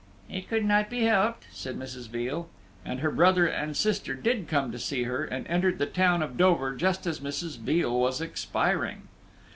"It could not be helped," said Mrs. Veal. And her brother and sister did come to see her, and entered the town of Dover just as Mrs. Veal was expiring.